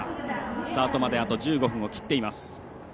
スタートまであと１５分を切っています。